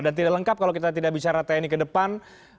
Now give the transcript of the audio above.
dan tidak lengkap kalau kita tidak bicara tni ke depan